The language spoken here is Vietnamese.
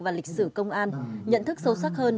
và lịch sử công an nhận thức sâu sắc hơn